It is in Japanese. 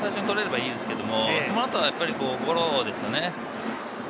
三振が一番最初にとれればいいんですけど、その後はゴロですよね。